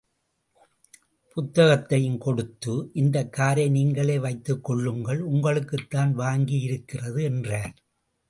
புத்தகத்தையும் கொடுத்து இந்தக் காரை நீங்களே வைத்துக் கொள்ளுங்கள், உங்களுக்குத்தான் வாங்கியிருக்கிறது என்றார்.